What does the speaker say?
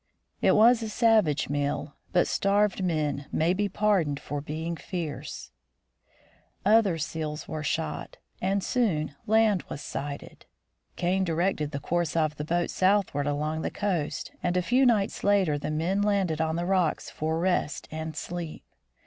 It was a savage meal, but starved men may be pardoned for being fierce. Dragging the Boats over the Ice Floes. Other seals were shot, and soon land was sighted. Kane directed the course of the boats southward along the coast, and a few nights later the men landed on the rocks for rest and sleep.